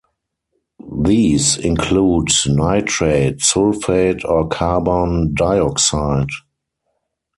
These include nitrate, sulfate or carbon dioxide.